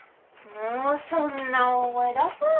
もうそんな大声出さないでよ。